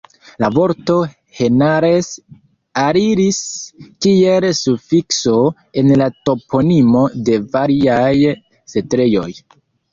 La vorto "henares" aliris, kiel sufikso, en la toponimo de variaj setlejoj.